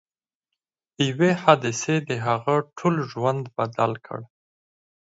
یوې حادثې د هغه ټول ژوند بدل کړ